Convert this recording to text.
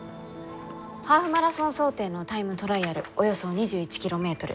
ハーフマラソン想定のタイムトライアルおよそ２１キロメートル。